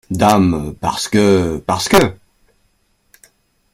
Dame !… parce que… parce que…